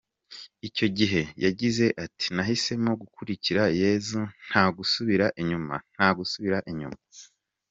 Icyo gihe yagize ati “Nahisemo gukurikira Yesu, nta gusubira inyuma, nta gusubira inyuma”.